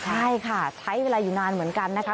ใช่ค่ะใช้เวลาอยู่นานเหมือนกันนะคะ